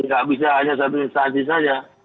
nggak bisa hanya satu instansi saja